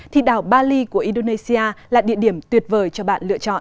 thì đảo bali của indonesia là địa điểm tuyệt vời cho bạn lựa chọn